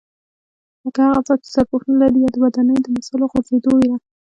لکه هغه څاه چې سرپوښ نه لري یا د ودانیو د مسالو غورځېدو وېره.